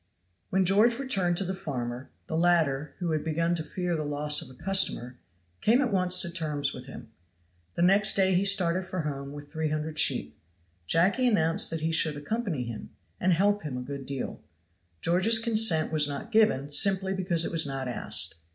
When George returned to the farmer, the latter, who had begun to fear the loss of a customer, came at once to terms with him. The next day he started for home with three hundred sheep. Jacky announced that he should accompany him, and help him a good deal. George's consent was not given, simply because it was not asked.